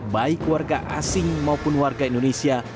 baik warga asing maupun warga indonesia